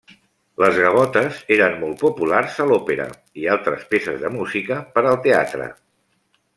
Les gavotes eren molt populars a l'òpera i altres peces de música per al teatre.